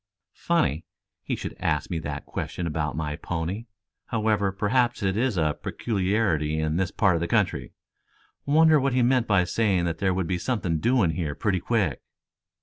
"Funny he should ask me that question about my pony. However, perhaps it is a peculiarity in this part of the country. Wonder what he meant by saying that there would be something doing here pretty quick."